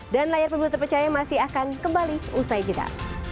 dan layar pemilu terpercaya masih akan kembali usai jeda